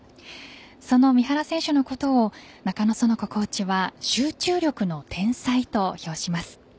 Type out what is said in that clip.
その三原選手のことを中野園子コーチは集中力の天才と評します。